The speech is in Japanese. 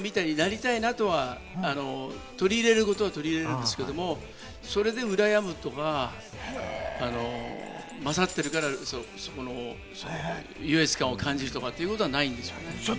なりたいなとか、取り入れることは取り入れるんですけれども、それで羨むとか、勝ってるから優越感を感じるとかということはないですね。